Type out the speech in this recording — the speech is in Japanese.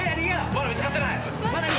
まだ見つかってない。